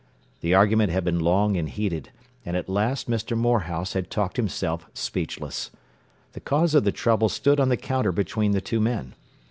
The argument had been long and heated, and at last Mr. Morehouse had talked himself speechless. The cause of the trouble stood on the counter between the two men.